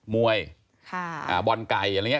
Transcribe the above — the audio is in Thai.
มวยบ่อนไก่อะไรอย่างเนี่ย